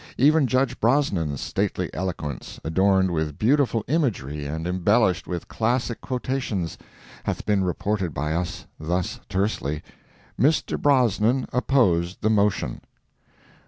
Even Judge Brosnan's stately eloquence, adorned with beautiful imagery and embellished with classic quotations, hath been reported by us thus tersely: "Mr. Brosnan opposed the motion."